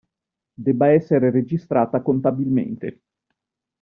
Debba essere registrata contabilmente.